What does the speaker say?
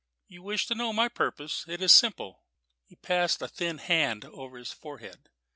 "You wish to know my purpose? It is simple." He passed a thin hand over his forehead.